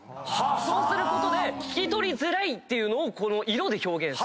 そうすることで聞き取りづらいっていうのを色で表現して。